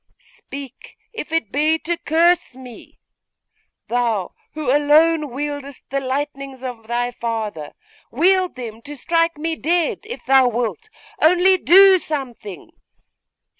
Speak, if it be to curse me! Thou who alone wieldest the lightnings of thy father, wield them to strike me dead, if thou wilt; only do something!